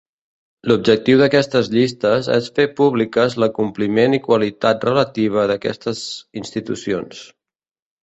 L'objectiu d'aquestes llistes és fer públiques l'acompliment i qualitat relativa d'aquestes institucions.